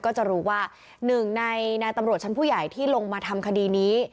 ก็จะรู้ว่าหนึ่งในนายตำรวจชั้นผู้ใหญ่ที่ลงมาทำคดีนี้